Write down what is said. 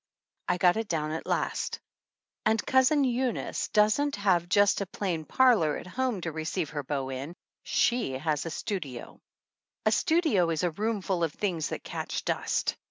I got it down at last ! And Cousin Eunice doesn't have just a plain parlor at home to receive her . beaux in ; she has a studio. A studio is a room / full of things that catch dust.